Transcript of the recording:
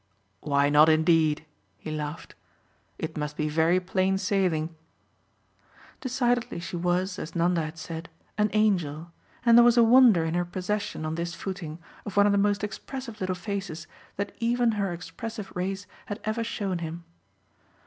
"Why not indeed?" he laughed. "It must be very plain sailing." Decidedly she was, as Nanda had said, an angel, and there was a wonder in her possession on this footing of one of the most expressive little faces that even her expressive race had ever shown him.